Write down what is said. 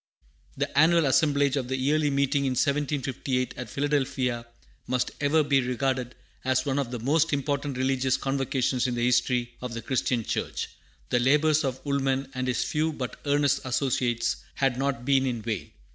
The annual assemblage of the Yearly Meeting in 1758 at Philadelphia must ever be regarded as one of the most important religious convocations in the history of the Christian church. The labors of Woolman and his few but earnest associates had not been in vain.